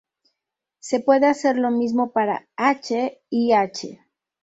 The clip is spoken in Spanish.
Se puede hacer lo mismo para "H" y "H".